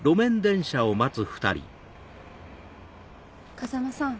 風間さん。